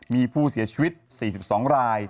มีผู้เสียชีวิต๔๒ราย